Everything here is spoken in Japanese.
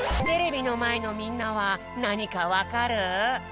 テレビのまえのみんなはなにかわかる？